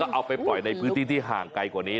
เอาไปปล่อยในพื้นที่ที่ห่างไกลกว่านี้